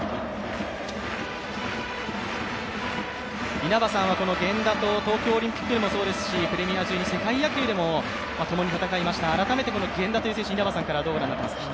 稲葉さんは源田と東京オリンピックでもそうですしプレミア１２、世界野球でもともに戦いました、改めて源田という選手、どうご覧になっていますか。